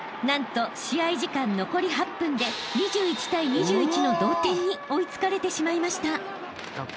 ［何と試合時間残り８分で２１対２１の同点に追い付かれてしまいました］